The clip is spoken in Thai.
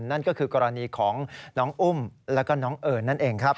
นั่นก็คือกรณีของน้องอุ้มและก็น้องเอ่อน